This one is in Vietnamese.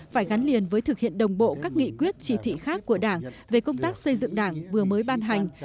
phải gắn liền với thực hiện đồng bộ các nghị quyết chỉ thị khác của đảng về công tác xây dựng đảng vừa mới ban hành